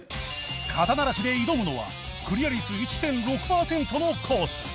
肩慣らしで挑むのはクリア率 １．６ パーセントのコース